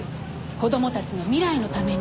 子供たちの未来のために。